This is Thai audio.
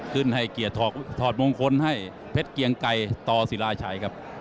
ขึ้นให้เกียรติถอดมงคลให้เพชรเกียงไก่ต่อศิลาชัยครับ